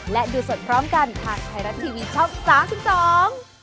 และดูสดพร้อมกันทางไทยรัฐทีวีช่อง๓๒